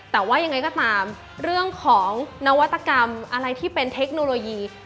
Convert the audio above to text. แต่ว่ายังไงก็ตามเรื่องของนวัตกรรมอะไรที่เป็นเทคโนโลยี